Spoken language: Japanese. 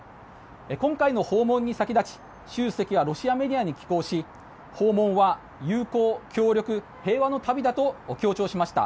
今回の訪問に先立ち習主席はロシアメディアに寄稿し訪問は友好・協力・平和の旅だと強調しました。